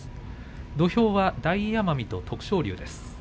土俵は大奄美と徳勝龍です。